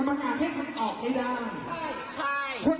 กรรมงานให้คำตอบไม่ได้ใช่